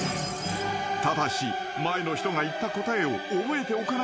［ただし前の人が言った答えを覚えておかなければならない］